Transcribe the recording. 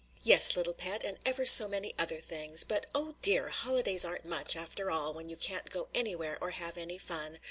"Yes, little pet, and ever so many other things. But oh dear! holidays aren't much after all when you can't go anywhere or have any fun.